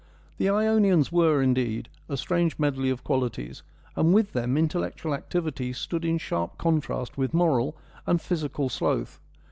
The Ionians were, indeed, a strange medley of qualities, and with them intellectual activity stood in sharp contrast with moral and physical sloth.